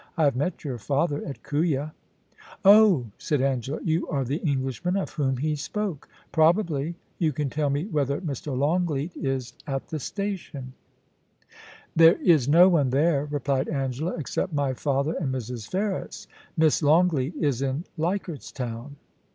I have met your father at Kooya.* * Oh !* said Angela ;* you are the Englishman of whom he spoke.* * Probably. You can tell me whether Mr. Longleat is at the station ?* ANGELA. 115 * There is no one there,' replied Angela, * except my father and Mrs. Ferris. Miss Longleat is in Leichardt's Town.'